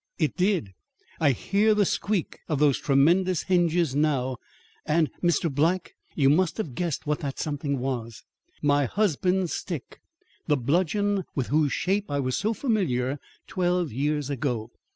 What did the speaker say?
it did! I hear the squeak of those tremendous hinges now, and Mr. Black, you must have guessed what that something was. My husband's stick! the bludgeon with whose shape I was so familiar twelve years ago!